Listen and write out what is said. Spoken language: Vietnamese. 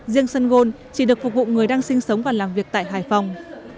riêng sơn ngôn chỉ được phục vụ người đang sinh sống và làm việc tại hải phòng